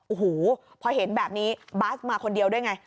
โอ้โหพอเห็นแบบนี้บาสมาคนเดียวด้วยไง